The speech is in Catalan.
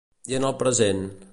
I en el present?